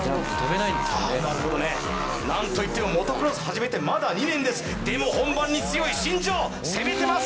なるほどね何といってもモトクロス始めてまだ２年ですでも本番に強い新庄攻めてます